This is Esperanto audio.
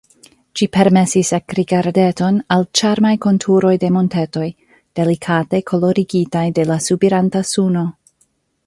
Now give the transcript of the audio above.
Ĝi permesis ekrigardeton al ĉarmaj konturoj de montetoj, delikate kolorigitaj de la subiranta suno.